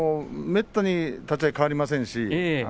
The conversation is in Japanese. めったに立ち合い変わりません。